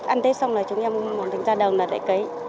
ăn tết xong là chúng em muốn ra đồng để cấy